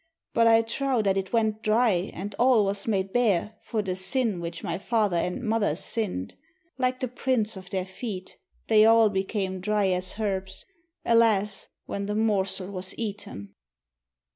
But I trow that it went dry And all was made bare, for the sin Which my father and mother sinned. Like the prints of their feet, They all became dry as herbs, Alas, when the morsel was eaten.